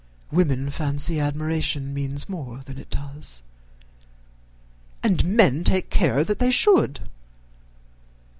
Women fancy admiration means more than it does." "And men take care that they should."